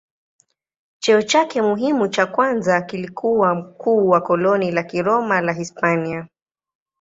Cheo chake muhimu cha kwanza kilikuwa mkuu wa koloni la Kiroma la Hispania.